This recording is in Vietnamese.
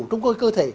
trong cơ thể